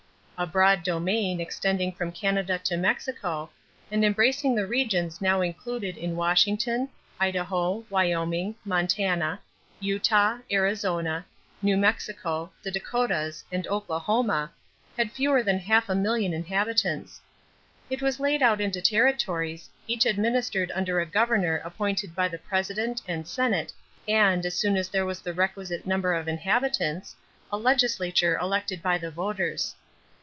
A broad domain, extending from Canada to Mexico, and embracing the regions now included in Washington, Idaho, Wyoming, Montana, Utah, Arizona, New Mexico, the Dakotas, and Oklahoma, had fewer than half a million inhabitants. It was laid out into territories, each administered under a governor appointed by the President and Senate and, as soon as there was the requisite number of inhabitants, a legislature elected by the voters.